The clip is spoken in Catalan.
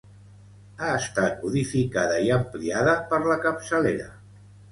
Ha estat modificada i ampliada per la capçalera.